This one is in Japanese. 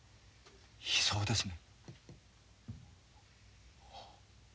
「悲愴」ですね？